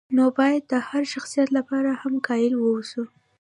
نو باید د هر شخص لپاره هم قایل واوسو.